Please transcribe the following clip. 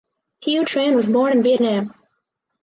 Hieu Trinh was born in Vietnam.